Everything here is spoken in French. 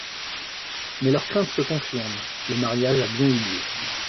Mais leurs craintes se confirment: le mariage a bien eu lieu.